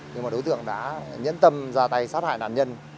nhưng mà đối tượng đã nhẫn tâm ra tay sát hại nạn nhân